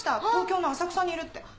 東京の浅草にいるって。